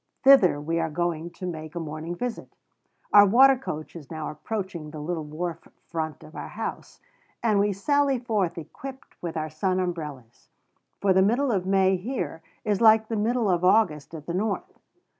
Thither we are going to make a morning visit. Our water coach is now approaching the little wharf front of our house: and we sally forth equipped with our sun umbrellas; for the middle of May here is like the middle of August at the North.